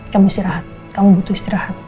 kamu istirahat kamu butuh istirahat